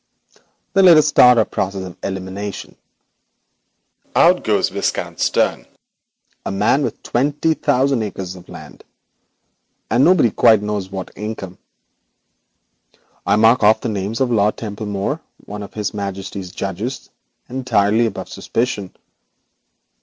'Then let us start our process of elimination. Out goes Viscount Stern, a lucky individual with twenty thousand acres of land, and God only knows what income. I mark off the name of Lord Templemere, one of His Majesty's judges, entirely above suspicion.